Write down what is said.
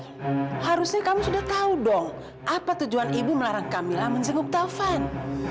ibu harusnya kamu sudah tahu dong apa tujuan ibu melarang kamila menjungguk taufan